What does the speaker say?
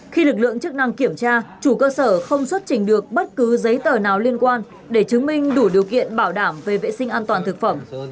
khi lực lượng chức năng kiểm tra chủ cơ sở không xuất trình được bất cứ giấy tờ nào liên quan để chứng minh đủ điều kiện bảo đảm về vệ sinh an toàn thực phẩm